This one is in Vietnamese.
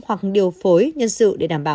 hoặc điều phối nhân sự để đảm bảo